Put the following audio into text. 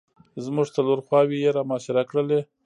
زموږ څلور خواوې یې را محاصره کړلې.